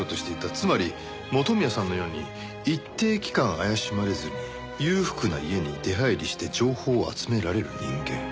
つまり元宮さんのように一定期間怪しまれずに裕福な家に出入りして情報を集められる人間。